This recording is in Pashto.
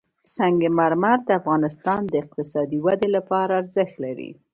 سنگ مرمر د افغانستان د اقتصادي ودې لپاره ارزښت لري.